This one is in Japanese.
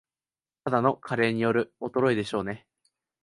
ただの加齢による衰えでしょうね